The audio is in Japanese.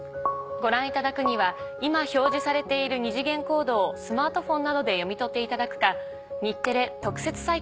ご覧いただくには今表示されている二次元コードをスマートフォンなどで読み取っていただくか。